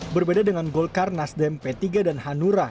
berbeda dengan golkar nasdem p tiga dan hanura